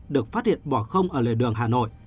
được phát hiện bỏ không ở lề đường hà nội